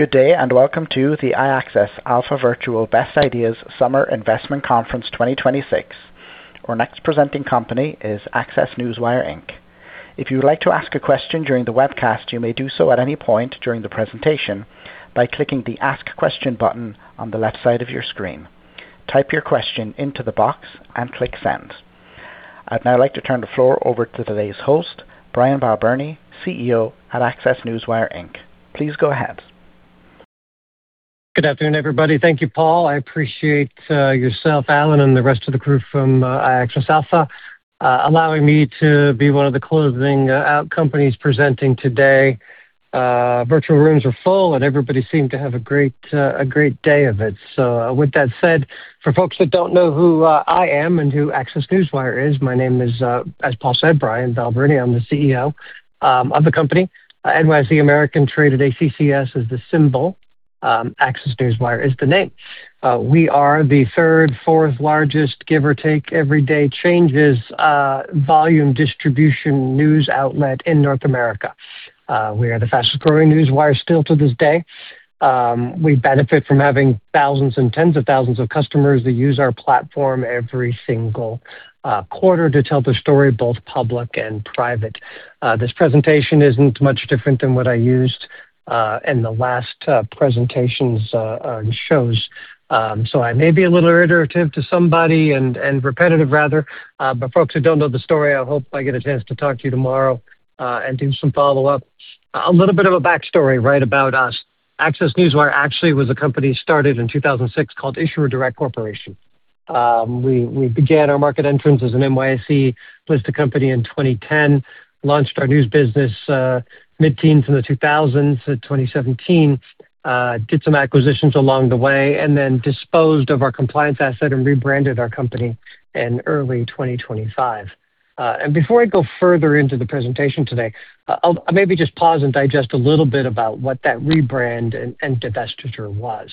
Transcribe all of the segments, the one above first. Good day. Welcome to the iAccess Alpha Virtual Best Ideas Summer Investment Conference 2026. Our next presenting company is ACCESS Newswire Inc. If you would like to ask a question during the webcast, you may do so at any point during the presentation by clicking the Ask Question button on the left side of your screen. Type your question into the box and click Send. I'd now like to turn the floor over to today's host, Brian Balbirnie, CEO at ACCESS Newswire Inc. Please go ahead. Good afternoon, everybody. Thank you, Paul. I appreciate yourself, Alan, and the rest of the crew from iAccess Alpha allowing me to be one of the closing out companies presenting today. Virtual rooms are full, and everybody seemed to have a great day of it. With that said, for folks that don't know who I am and who ACCESS Newswire is, my name is, as Paul said, Brian Balbirnie. I'm the CEO of the company. NYSE American-traded, ACCS is the symbol. ACCESS Newswire is the name. We are the third, fourth-largest, give or take, everyday changes, volume distribution news outlet in North America. We are the fastest-growing newswire still to this day. We benefit from having thousands and tens of thousands of customers that use our platform every single quarter to tell their story, both public and private. This presentation isn't much different than what I used in the last presentations and shows. I may be a little iterative to somebody and repetitive rather. Folks who don't know the story, I hope I get a chance to talk to you tomorrow and do some follow-up. A little bit of a backstory right about us. ACCESS Newswire actually was a company started in 2006 called Issuer Direct Corporation. We began our market entrance as an NYSE-listed company in 2010, launched our news business mid-teens in the 2000s to 2017, did some acquisitions along the way, then disposed of our compliance asset and rebranded our company in early 2025. Before I go further into the presentation today, I'll maybe just pause and digest a little bit about what that rebrand and divestiture was.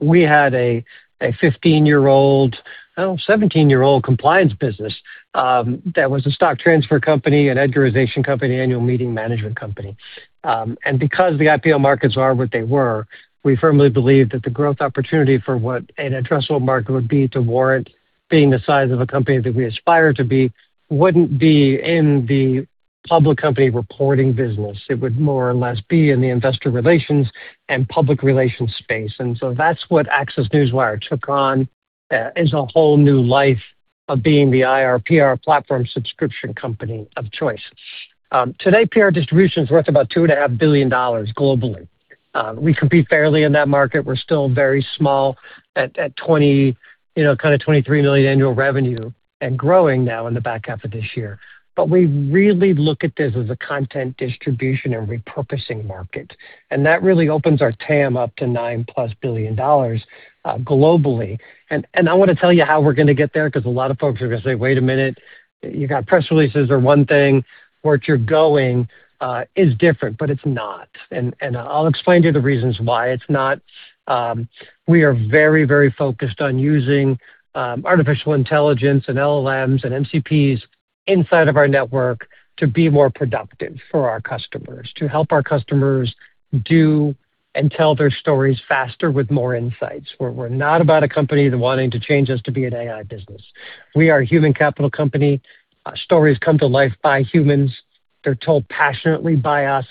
We had a 15-year-old, 17-year-old compliance business that was a stock transfer company, an Edgarization company, annual meeting management company. Because the IPO markets are what they were, we firmly believe that the growth opportunity for what an addressable market would be to warrant being the size of a company that we aspire to be wouldn't be in the public company reporting business. It would more or less be in the investor relations and public relations space. That's what ACCESS Newswire took on as a whole new life of being the IR/PR platform subscription company of choice. Today, PR distribution is worth about $2.5 billion globally. We compete fairly in that market. We're still very small at kind of $23 million annual revenue and growing now in the back half of this year. We really look at this as a content distribution and repurposing market, and that really opens our TAM up to $9-plus billion globally. I want to tell you how we're going to get there because a lot of folks are going to say, "Wait a minute. You got press releases are one thing. Where you're going is different." It's not. I'll explain to you the reasons why it's not. We are very focused on using artificial intelligence and LLMs and MCPs inside of our network to be more productive for our customers, to help our customers do and tell their stories faster with more insights. We're not about a company wanting to change us to be an AI business. We are a human capital company. Stories come to life by humans. They're told passionately by us,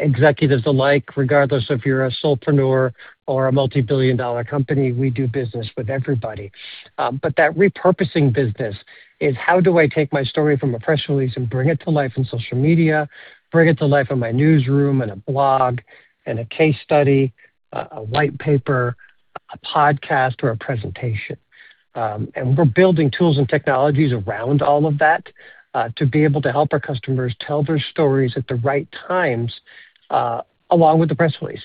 executives alike. Regardless if you're a solopreneur or a multibillion-dollar company, we do business with everybody. That repurposing business is how do I take my story from a press release and bring it to life on social media, bring it to life on my newsroom and a blog and a case study, a white paper, a podcast, or a presentation. We're building tools and technologies around all of that to be able to help our customers tell their stories at the right times along with the press release.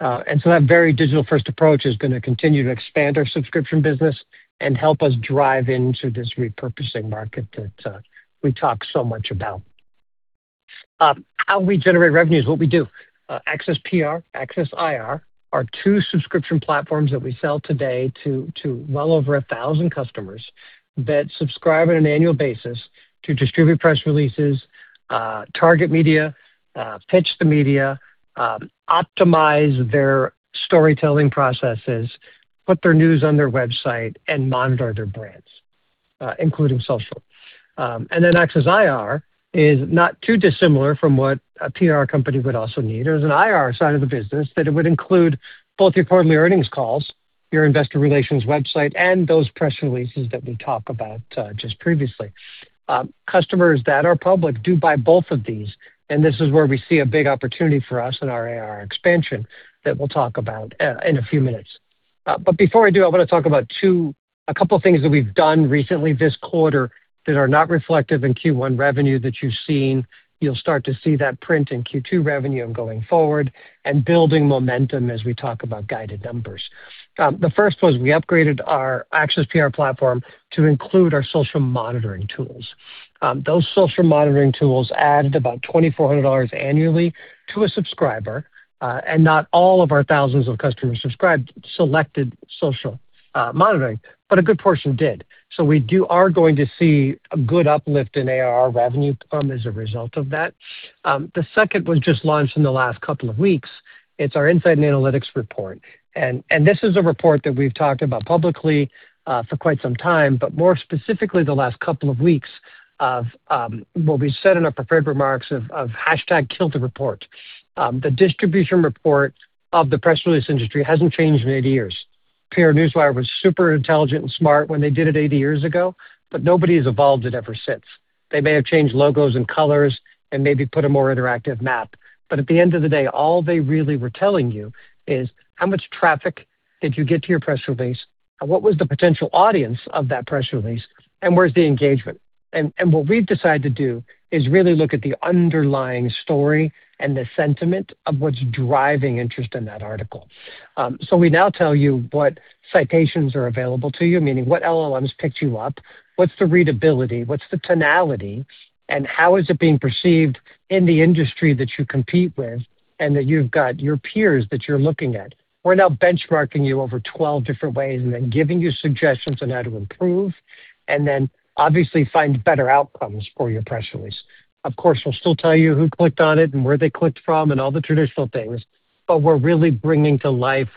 That very digital-first approach is going to continue to expand our subscription business and help us drive into this repurposing market that we talk so much about. How we generate revenues, what we do. ACCESS PR, ACCESS IR are two subscription platforms that we sell today to well over 1,000 customers that subscribe on an annual basis to distribute press releases, target media, pitch the media, optimize their storytelling processes, put their news on their website, and monitor their brands, including social. ACCESS IR is not too dissimilar from what a PR company would also need. There's an IR side of the business that it would include both your quarterly earnings calls, your investor relations website, and those press releases that we talked about just previously. Customers that are public do buy both of these, and this is where we see a big opportunity for us in our IR expansion that we'll talk about in a few minutes. Before I do, I want to talk about a couple of things that we've done recently this quarter that are not reflective in Q1 revenue that you've seen. You'll start to see that print in Q2 revenue and going forward and building momentum as we talk about guided numbers. The first was we upgraded our ACCESS PR platform to include our social monitoring tools. Those social monitoring tools added about $2,400 annually to a subscriber. Not all of our thousands of customers subscribed selected social monitoring, but a good portion did. We are going to see a good uplift in ARR revenue come as a result of that. The second was just launched in the last couple of weeks. It's our insight and analytics report. This is a report that we've talked about publicly for quite some time, but more specifically the last couple of weeks of what we said in our prepared remarks of #KillTheReport. The distribution report of the press release industry hasn't changed in eight years. PR Newswire was super intelligent and smart when they did it 80 years ago, but nobody's evolved it ever since. They may have changed logos and colors and maybe put a more interactive map, but at the end of the day, all they really were telling you is how much traffic did you get to your press release and what was the potential audience of that press release, and where's the engagement? What we've decided to do is really look at the underlying story and the sentiment of what's driving interest in that article. We now tell you what citations are available to you, meaning what LLMs picked you up, what's the readability, what's the tonality, and how is it being perceived in the industry that you compete with and that you've got your peers that you're looking at. We're now benchmarking you over 12 different ways and then giving you suggestions on how to improve and then obviously find better outcomes for your press release. Of course, we'll still tell you who clicked on it and where they clicked from and all the traditional things, but we're really bringing to life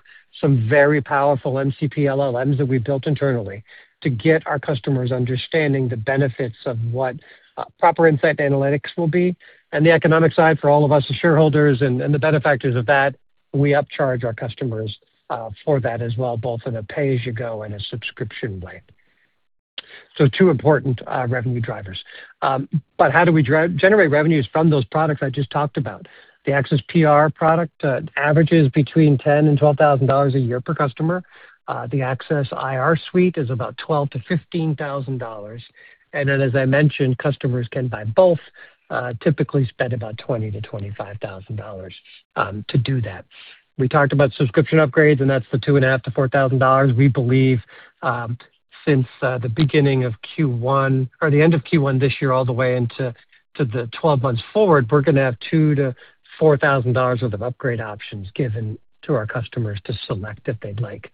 some very powerful MCP LLMs that we've built internally to get our customers understanding the benefits of what proper insight analytics will be and the economic side for all of us as shareholders and the benefactors of that. We upcharge our customers for that as well, both in a pay-as-you-go and a subscription way. Two important revenue drivers. How do we generate revenues from those products I just talked about? The ACCESS PR product averages between $10,000 and $12,000 a year per customer. The ACCESS IR suite is about $12,000-$15,000. As I mentioned, customers can buy both, typically spend about $20,000-$25,000 to do that. We talked about subscription upgrades, and that's the $2,500-$4,000. We believe since the beginning of Q1 or the end of Q1 this year, all the way into the 12 months forward, we're going to have $2,000-$4,000 worth of upgrade options given to our customers to select if they'd like.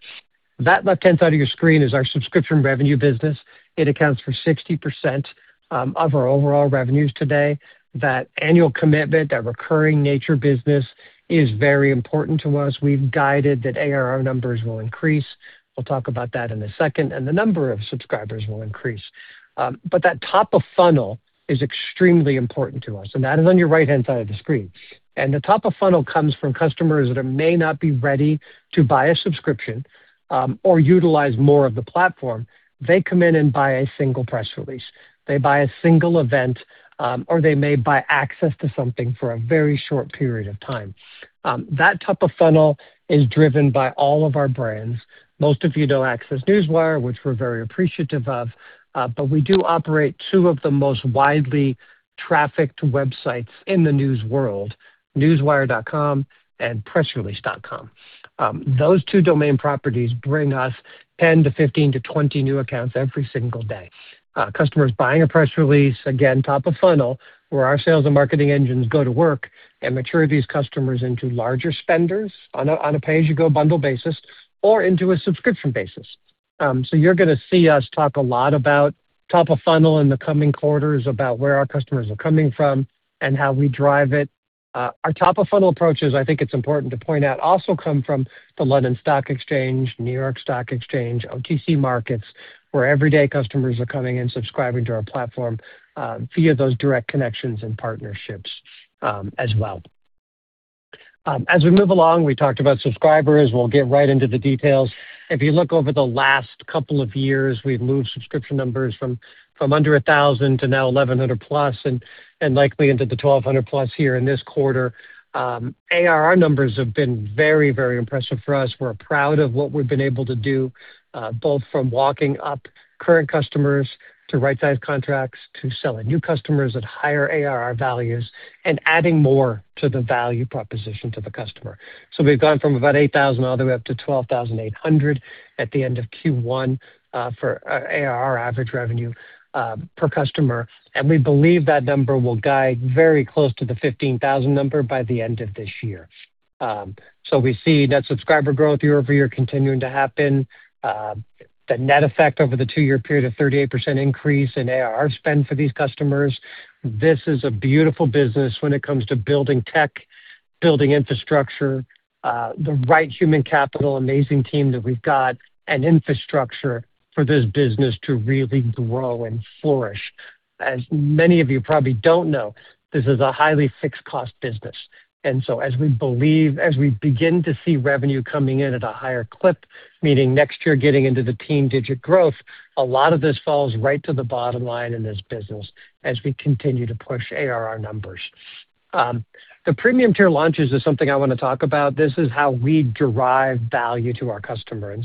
That left-hand side of your screen is our subscription revenue business. It accounts for 60% of our overall revenues today. That annual commitment, that recurring nature business, is very important to us. We've guided that ARR numbers will increase. We'll talk about that in a second, and the number of subscribers will increase. That top of funnel is extremely important to us, and that is on your right-hand side of the screen. The top of funnel comes from customers that may not be ready to buy a subscription or utilize more of the platform. They come in and buy a single press release. They buy a single event, or they may buy access to something for a very short period of time. That top of funnel is driven by all of our brands. Most of you know ACCESS Newswire, which we're very appreciative of, but we do operate two of the most widely trafficked websites in the news world, newswire.com and pressrelease.com. Those two domain properties bring us 10 to 15 to 20 new accounts every single day. Customers buying a press release, again, top of funnel, where our sales and marketing engines go to work and mature these customers into larger spenders on a pay-as-you-go bundle basis or into a subscription basis. You're going to see us talk a lot about top of funnel in the coming quarters, about where our customers are coming from and how we drive it. Our top of funnel approaches, I think it's important to point out, also come from the London Stock Exchange, New York Stock Exchange, OTC Markets, where everyday customers are coming and subscribing to our platform via those direct connections and partnerships as well. As we move along, we talked about subscribers. We'll get right into the details. If you look over the last couple of years, we've moved subscription numbers from under 1,000 to now 1,100 plus and likely into the 1,200+ here in this quarter. ARR numbers have been very impressive for us. We're proud of what we've been able to do, both from walking up current customers to right-size contracts, to selling new customers at higher ARR values and adding more to the value proposition to the customer. We've gone from about $8,000 all the way up to $12,800 at the end of Q1 for our average revenue per customer, and we believe that number will guide very close to the $15,000 number by the end of this year. We see net subscriber growth year-over-year continuing to happen. The net effect over the two-year period of 38% increase in ARR spend for these customers. This is a beautiful business when it comes to building tech, building infrastructure, the right human capital, amazing team that we've got, and infrastructure for this business to really grow and flourish. As many of you probably don't know, this is a highly fixed cost business. As we believe, as we begin to see revenue coming in at a higher clip, meaning next year getting into the teen-digit growth, a lot of this falls right to the bottom line in this business as we continue to push ARR numbers. The premium tier launches is something I want to talk about. This is how we derive value to our customer.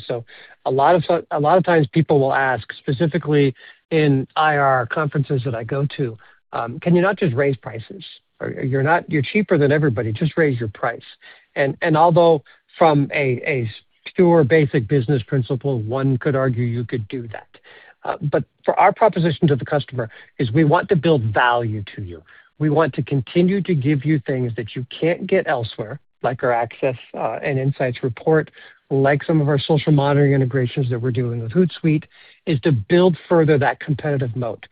A lot of times people will ask specifically in IR conferences that I go to, "Can you not just raise prices? You're cheaper than everybody. Just raise your price." Although from a pure basic business principle, one could argue you could do that. For our proposition to the customer is we want to build value to you. We want to continue to give you things that you can't get elsewhere, like our Access and Insights Report, like some of our social monitoring integrations that we're doing with Hootsuite, is to build further that competitive moat.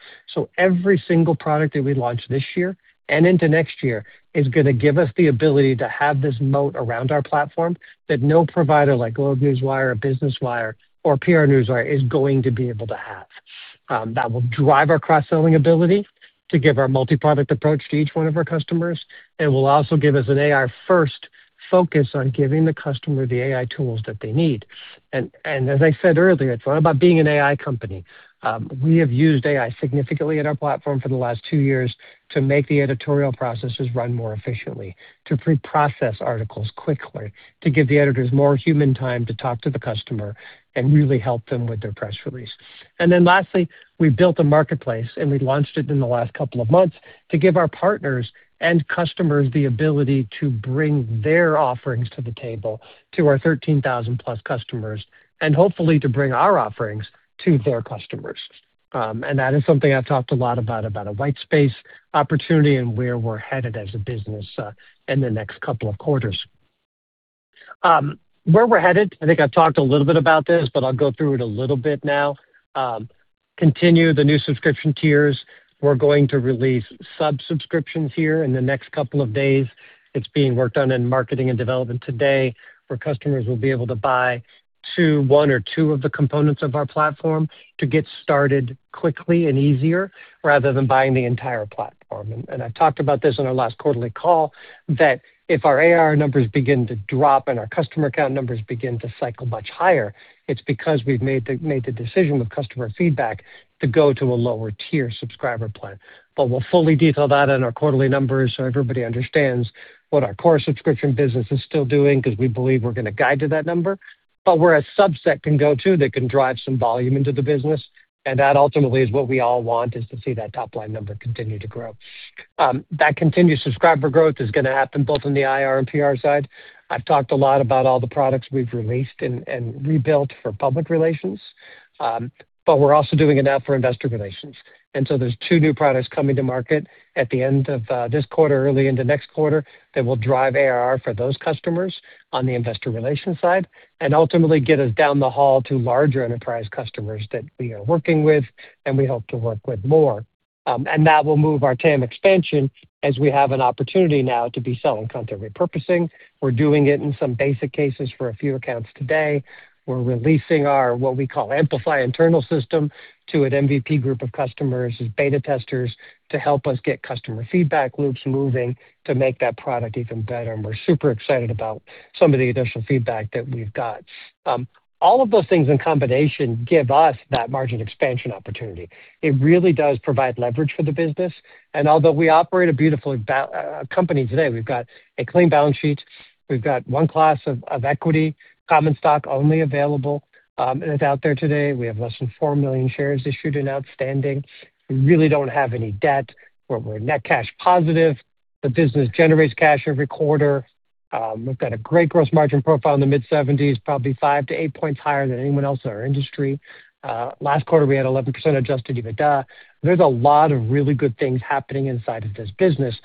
Every single product that we launch this year and into next year is going to give us the ability to have this moat around our platform that no provider like GlobeNewswire or Business Wire or PR Newswire is going to be able to have. That will drive our cross-selling ability to give our multi-product approach to each one of our customers, will also give us an AI-first focus on giving the customer the AI tools that they need. As I said earlier, it's not about being an AI company. We have used AI significantly in our platform for the last two years to make the editorial processes run more efficiently, to pre-process articles quickly, to give the editors more human time to talk to the customer and really help them with their press release. Lastly, we built a marketplace, and we launched it in the last couple of months to give our partners and customers the ability to bring their offerings to the table to our 13,000-plus customers, and hopefully to bring our offerings to their customers. That is something I've talked a lot about a white space opportunity and where we're headed as a business in the next couple of quarters. Where we're headed, I think I talked a little bit about this, but I'll go through it a little bit now. Continue the new subscription tiers. We're going to release sub subscriptions here in the next couple of days. It's being worked on in marketing and development today, where customers will be able to buy one or two of the components of our platform to get started quickly and easier, rather than buying the entire platform. I talked about this on our last quarterly call, that if our ARR numbers begin to drop and our customer count numbers begin to cycle much higher, it's because we've made the decision with customer feedback to go to a lower-tier subscriber plan. We'll fully detail that in our quarterly numbers so everybody understands what our core subscription business is still doing, because we believe we're going to guide to that number. Where a subset can go to that can drive some volume into the business, and that ultimately is what we all want, is to see that top-line number continue to grow. That continued subscriber growth is going to happen both on the IR and PR side. I've talked a lot about all the products we've released and rebuilt for public relations, but we're also doing it now for investor relations. There's two new products coming to market at the end of this quarter, early into next quarter, that will drive ARR for those customers on the investor relations side and ultimately get us down the hall to larger enterprise customers that we are working with and we hope to work with more. That will move our TAM expansion as we have an opportunity now to be selling content repurposing. We're doing it in some basic cases for a few accounts today. We're releasing our what we call Amplify Internal System to an MVP group of customers as beta testers to help us get customer feedback loops moving to make that product even better, and we're super excited about some of the additional feedback that we've got. All of those things in combination give us that margin expansion opportunity. It really does provide leverage for the business. Although we operate a beautiful company today, we've got a clean balance sheet. We've got one class of equity, common stock only available that's out there today. We have less than 4 million shares issued and outstanding. We really don't have any debt. We're net cash positive. The business generates cash every quarter. We've got a great gross margin profile in the mid-70s, probably 5 - 8 points higher than anyone else in our industry. Last quarter, we had 11% adjusted EBITDA. There's a lot of really good things happening inside of this business.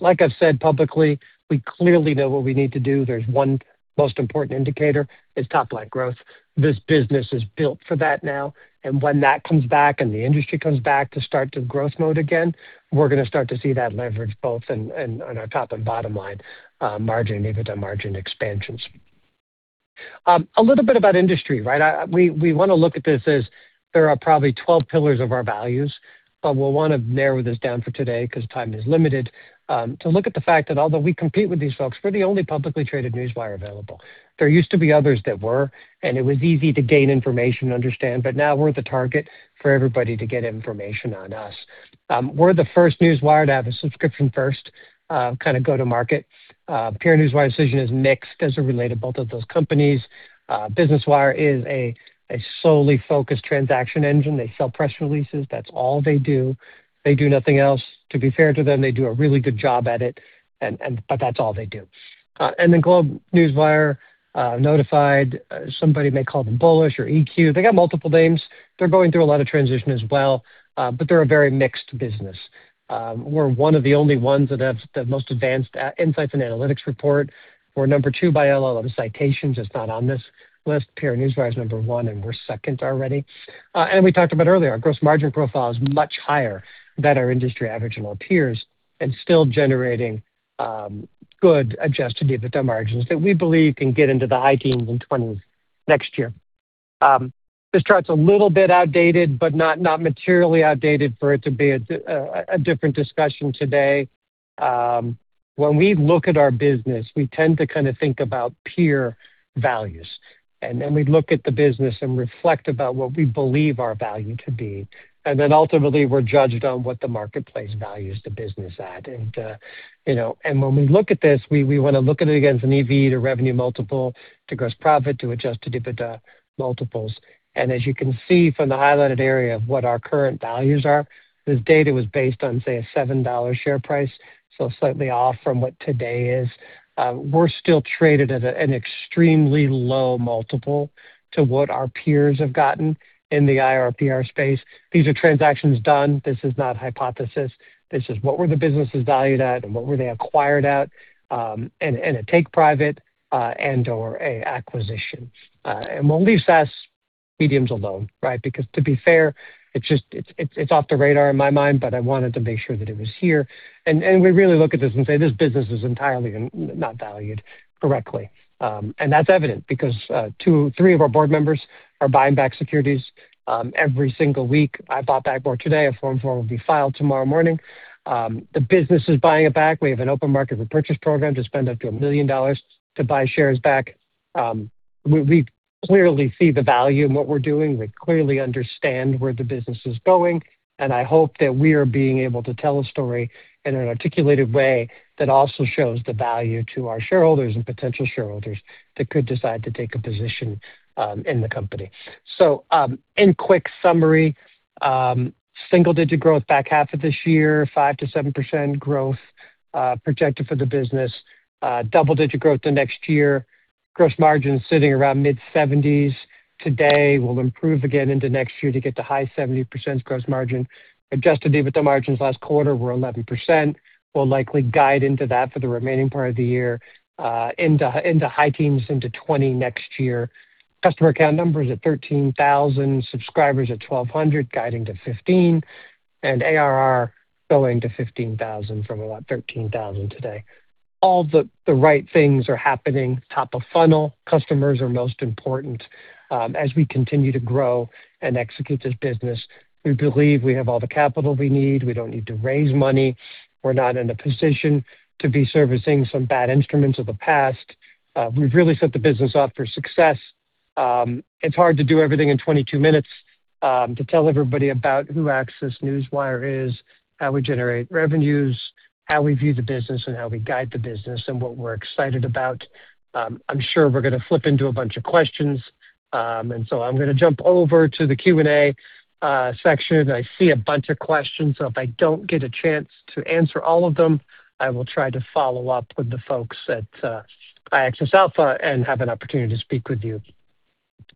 Like I've said publicly, we clearly know what we need to do. There's one most important indicator is top-line growth. This business is built for that now. When that comes back and the industry comes back to start to growth mode again, we're going to start to see that leverage both on our top and bottom line margin and EBITDA margin expansions. A little bit about industry, right? We want to look at this as there are probably 12 pillars of our values. We'll want to narrow this down for today because time is limited to look at the fact that although we compete with these folks, we're the only publicly traded newswire available. There used to be others that were, and it was easy to gain information and understand, but now we're the target for everybody to get information on us. We're the first newswire to have a subscription-first kind of go-to-market. PR Newswire's decision is mixed as it related both of those companies. Business Wire is a solely focused transaction engine. They sell press releases. That's all they do. They do nothing else. To be fair to them, they do a really good job at it. That's all they do. GlobeNewswire, Notified, somebody may call them Bullish or EQ, they got multiple names. They're going through a lot of transition as well, but they're a very mixed business. We're one of the only ones that have the most advanced insights and analytics report. We're number two by LLM citations. It's not on this list. PR Newswire is number one, and we're second already. We talked about earlier, our gross margin profile is much higher than our industry average and all peers and still generating good adjusted EBITDA margins that we believe can get into the high teens and 20s next year. This chart's a little bit outdated. Not materially outdated for it to be a different discussion today. When we look at our business, we tend to kind of think about peer values. Then we look at the business and reflect about what we believe our value to be. Ultimately, we're judged on what the marketplace values the business at. When we look at this, we want to look at it against an EV to revenue multiple, to gross profit, to adjusted EBITDA multiples. As you can see from the highlighted area of what our current values are, this data was based on, say, a $7 share price, so slightly off from what today is. We're still traded at an extremely low multiple to what our peers have gotten in the IR/PR space. These are transactions done. This is not hypothesis. This is what were the businesses valued at and what were they acquired at in a take private and/or an acquisition. What leaves us Mediums alone, right? Because to be fair, it's off the radar in my mind, but I wanted to make sure that it was here. We really look at this and say, "This business is entirely not valued correctly." That's evident because two, three of our board members are buying back securities every single week. I bought back more today. A Form four will be filed tomorrow morning. The business is buying it back. We have an open market for purchase program to spend up to $1 million to buy shares back. We clearly see the value in what we're doing. We clearly understand where the business is going, and I hope that we are being able to tell a story in an articulative way that also shows the value to our shareholders and potential shareholders that could decide to take a position in the company. In quick summary, single-digit growth back half of this year, 5%-7% growth projected for the business. Double-digit growth the next year. Gross margin sitting around mid-70s today, will improve again into next year to get to high 70% gross margin. Adjusted EBITDA margins last quarter were 11%. We'll likely guide into that for the remaining part of the year, into high teens, into 20% next year. Customer account numbers at 13,000, subscribers at 1,200, guiding to 15,000, and ARR going to 15,000 from about 13,000 today. All the right things are happening. Top of funnel customers are most important as we continue to grow and execute this business. We believe we have all the capital we need. We don't need to raise money. We're not in a position to be servicing some bad instruments of the past. We've really set the business up for success. It's hard to do everything in 22 minutes to tell everybody about who ACCESS Newswire is, how we generate revenues, how we view the business, and how we guide the business, and what we're excited about. I'm sure we're going to flip into a bunch of questions. I'm going to jump over to the Q&A section. I see a bunch of questions, if I don't get a chance to answer all of them, I will try to follow up with the folks at iAccess Alpha and have an opportunity to speak with you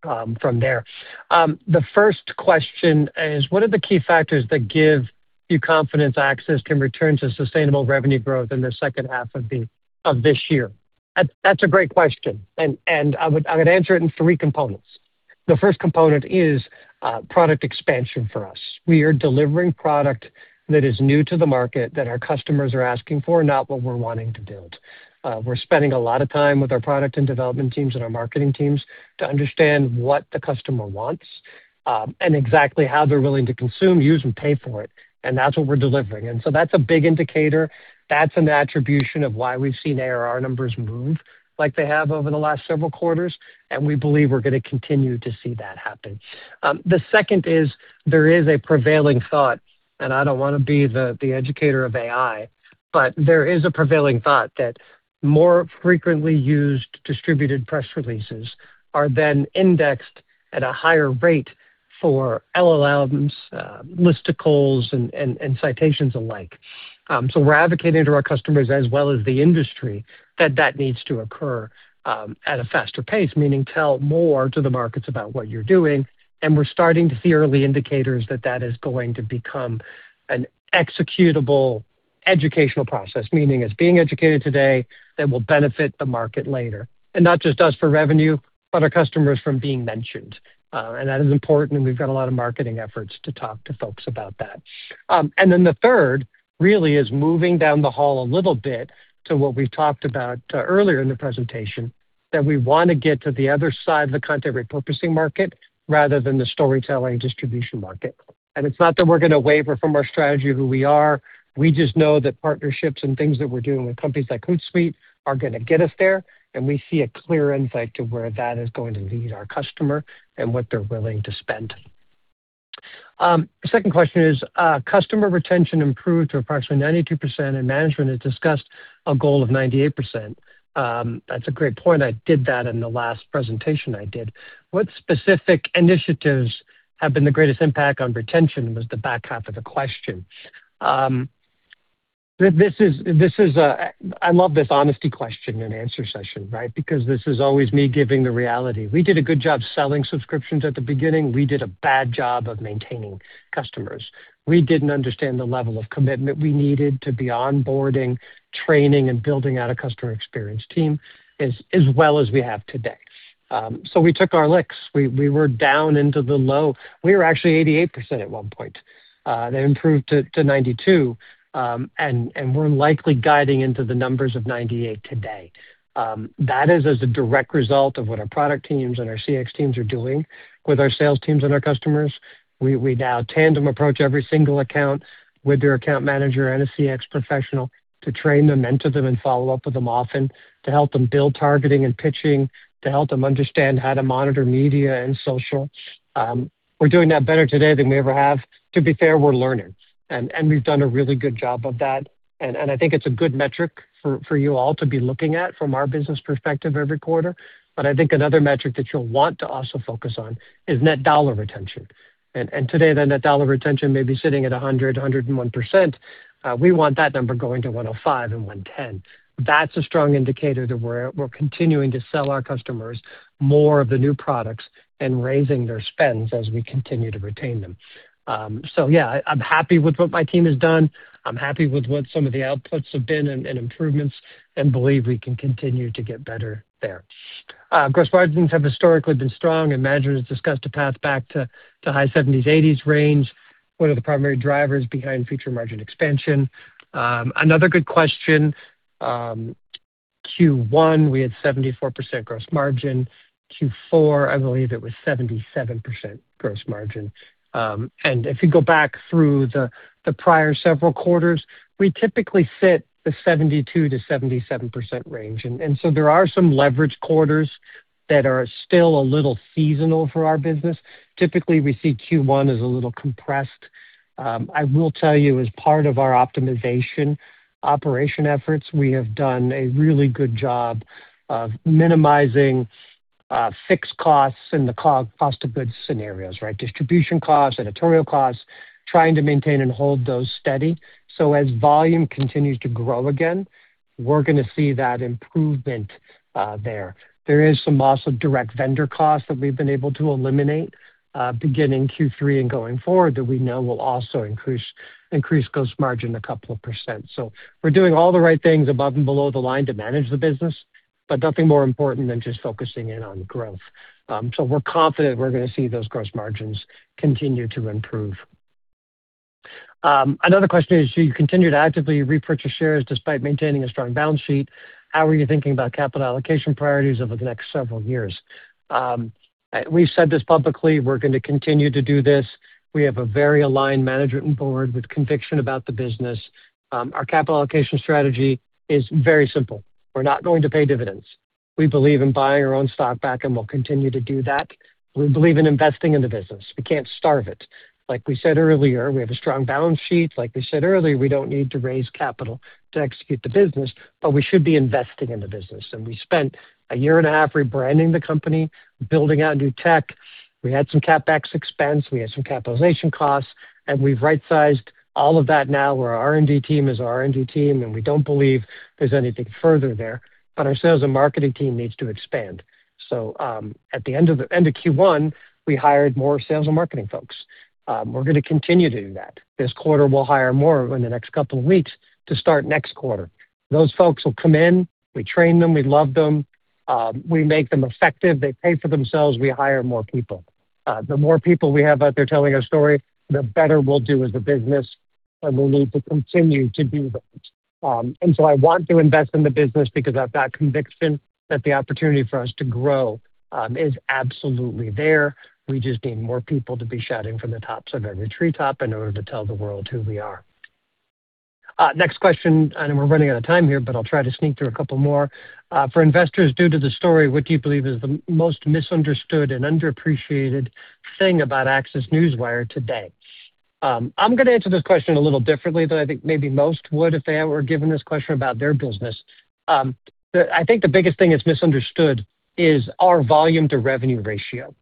from there. The first question is, "What are the key factors that give you confidence ACCESS can return to sustainable revenue growth in the second half of this year?" That's a great question, I would answer it in three components. The first component is product expansion for us. We are delivering product that is new to the market that our customers are asking for, not what we're wanting to build. We're spending a lot of time with our product and development teams and our marketing teams to understand what the customer wants and exactly how they're willing to consume, use, and pay for it. That's what we're delivering. That's a big indicator. That's an attribution of why we've seen ARR numbers move like they have over the last several quarters, we believe we're going to continue to see that happen. Second is there is a prevailing thought, I don't want to be the educator of AI, there is a prevailing thought that more frequently used distributed press releases are then indexed at a higher rate for LLMs, listicles, and citations alike. We're advocating to our customers as well as the industry that that needs to occur at a faster pace, meaning tell more to the markets about what you're doing. We're starting to see early indicators that that is going to become an executable educational process, meaning it's being educated today that will benefit the market later. Not just us for revenue, but our customers from being mentioned. That is important, we've got a lot of marketing efforts to talk to folks about that. Third really is moving down the hall a little bit to what we've talked about earlier in the presentation, that we want to get to the other side of the content repurposing market rather than the storytelling distribution market. It's not that we're going to waver from our strategy of who we are. We just know that partnerships and things that we're doing with companies like Hootsuite are going to get us there, and we see a clear insight to where that is going to lead our customer and what they're willing to spend. Second question is, "Customer retention improved to approximately 92%, and management has discussed a goal of 98%." That's a great point. I did that in the last presentation I did. What specific initiatives have been the greatest impact on retention?" was the back half of the question. I love this honesty question and answer session, right? Because this is always me giving the reality. We did a good job selling subscriptions at the beginning. We did a bad job of maintaining customers. We didn't understand the level of commitment we needed to be onboarding, training, and building out a customer experience team as well as we have today. We took our licks. We were actually 88% at one point. That improved to 92%, we're likely guiding into the numbers of 98% today. That is as a direct result of what our product teams and our CX teams are doing with our sales teams and our customers. We now tandem approach every single account with their account manager and a CX professional to train them, mentor them, follow up with them often to help them build targeting and pitching, to help them understand how to monitor media and social. We're doing that better today than we ever have. To be fair, we're learning, we've done a really good job of that, I think it's a good metric for you all to be looking at from our business perspective every quarter. I think another metric that you'll want to also focus on is net dollar retention. Today, the net dollar retention may be sitting at 100%, 101%. We want that number going to 105% and 110%. That's a strong indicator that we're continuing to sell our customers more of the new products and raising their spends as we continue to retain them. I'm happy with what my team has done. I'm happy with what some of the outputs have been and improvements, and believe we can continue to get better there. Gross margins have historically been strong, and management has discussed a path back to high 70%-80% range. What are the primary drivers behind future margin expansion? Another good question. Q1, we had 74% gross margin. Q4, I believe it was 77% gross margin. If you go back through the prior several quarters, we typically sit the 72%-77% range. There are some leverage quarters that are still a little seasonal for our business. Typically, we see Q1 as a little compressed. I will tell you, as part of our optimization operation efforts, we have done a really good job of minimizing fixed costs in the cost of goods scenarios, right? Distribution costs, editorial costs, trying to maintain and hold those steady. As volume continues to grow again, we're going to see that improvement there. There is some also direct vendor costs that we've been able to eliminate beginning Q3 and going forward that we know will also increase gross margin a couple of percent. We're doing all the right things above and below the line to manage the business, but nothing more important than just focusing in on growth. We're confident we're going to see those gross margins continue to improve. Another question is, you continue to actively repurchase shares despite maintaining a strong balance sheet. How are you thinking about capital allocation priorities over the next several years? We've said this publicly, we're going to continue to do this. We have a very aligned management and board with conviction about the business. Our capital allocation strategy is very simple. We're not going to pay dividends. We believe in buying our own stock back, and we'll continue to do that. We believe in investing in the business. We can't starve it. Like we said earlier, we have a strong balance sheet. Like we said earlier, we don't need to raise capital to execute the business, but we should be investing in the business. We spent a year and a half rebranding the company, building out new tech. We had some CapEx expense, we had some capitalization costs, and we've right-sized all of that now where our R&D team is our R&D team, and we don't believe there's anything further there. Our sales and marketing team needs to expand. At the end of Q1, we hired more sales and marketing folks. We're going to continue to do that. This quarter, we'll hire more in the next couple of weeks to start next quarter. Those folks will come in, we train them, we love them. We make them effective. They pay for themselves. We hire more people. The more people we have out there telling our story, the better we'll do as a business, and we'll need to continue to do that. I want to invest in the business because I've got conviction that the opportunity for us to grow is absolutely there. We just need more people to be shouting from the tops of every treetop in order to tell the world who we are. Next question. I know we're running out of time here, but I'll try to sneak through a couple more. For investors, due to the story, what do you believe is the most misunderstood and underappreciated thing about ACCESS Newswire today? I'm going to answer this question a little differently than I think maybe most would if they were given this question about their business. I think the biggest thing that's misunderstood is our volume to revenue ratio.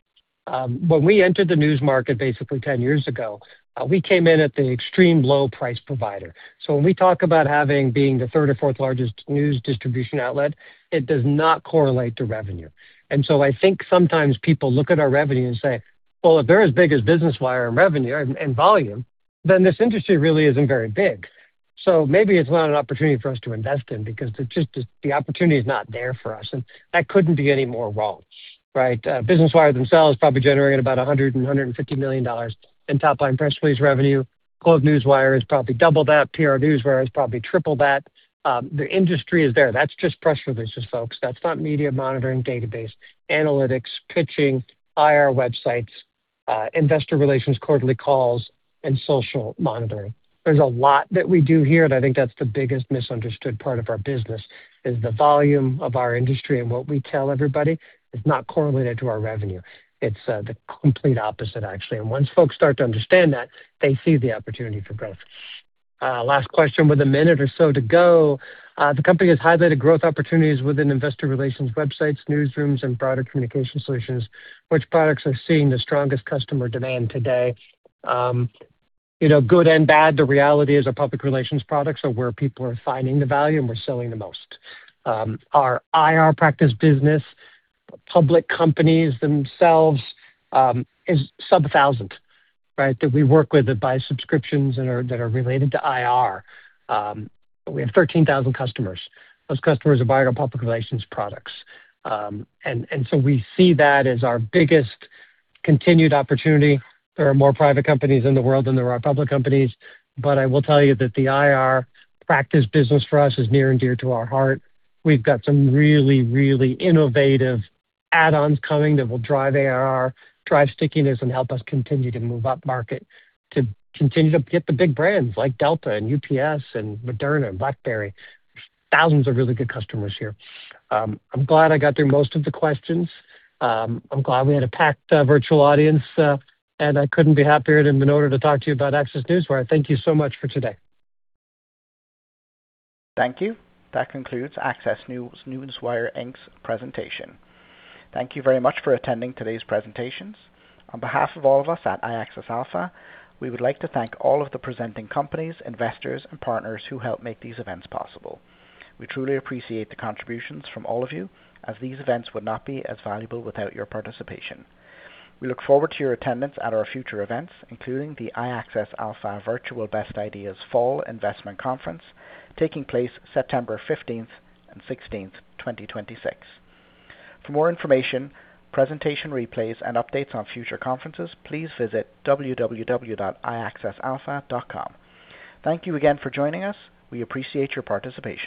When we entered the news market basically 10 years ago, we came in at the extreme low price provider. When we talk about being the third or fourth largest news distribution outlet, it does not correlate to revenue. I think sometimes people look at our revenue and say, "Well, if they're as big as Business Wire in volume, then this industry really isn't very big. Maybe it's not an opportunity for us to invest in because the opportunity is not there for us." That couldn't be any more wrong, right? Business Wire themselves probably generating about $100 million and $150 million in top-line press release revenue. Newswire is probably double that. PR Newswire is probably triple that. The industry is there. That's just press releases, folks. That's not media monitoring, database analytics, pitching, IR websites, investor relations, quarterly calls, and social monitoring. There's a lot that we do here, and I think that's the biggest misunderstood part of our business, is the volume of our industry and what we tell everybody is not correlated to our revenue. It's the complete opposite, actually. Once folks start to understand that, they see the opportunity for growth. Last question with a minute or so to go. The company has highlighted growth opportunities within investor relations websites, newsrooms and broader communication solutions. Which products are seeing the strongest customer demand today? Good and bad, the reality is our public relations products are where people are finding the value and we're selling the most. Our IR practice business, public companies themselves, is sub-1,000, right, that we work with that buy subscriptions that are related to IR. We have 13,000 customers. Those customers are buying our public relations products. We see that as our biggest continued opportunity. There are more private companies in the world than there are public companies. I will tell you that the IR practice business for us is near and dear to our heart. We've got some really innovative add-ons coming that will drive ARR, drive stickiness, and help us continue to move up market to continue to get the big brands like Delta and UPS and Moderna and BlackBerry. There's thousands of really good customers here. I'm glad I got through most of the questions. I'm glad we had a packed virtual audience. I couldn't be happier than in order to talk to you about ACCESS Newswire. Thank you so much for today. Thank you. That concludes ACCESS Newswire Inc.'s presentation. Thank you very much for attending today's presentations. On behalf of all of us at iAccess Alpha, we would like to thank all of the presenting companies, investors and partners who help make these events possible. We truly appreciate the contributions from all of you as these events would not be as valuable without your participation. We look forward to your attendance at our future events, including the iAccess Alpha Virtual Best Ideas Fall Investment Conference taking place September 15th and 16th, 2026. For more information, presentation replays, and updates on future conferences, please visit www.iaccessalpha.com. Thank you again for joining us. We appreciate your participation.